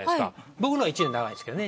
僕のほうが１年長いんですけどね。